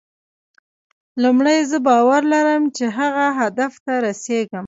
لومړی زه باور لرم چې هغه هدف ته رسېږم.